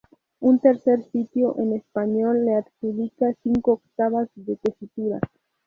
Un tercer sitio, en español, le adjudica cinco octavas de tesitura.